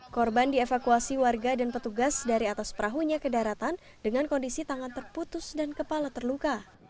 korban dievakuasi warga dan petugas dari atas perahunya ke daratan dengan kondisi tangan terputus dan kepala terluka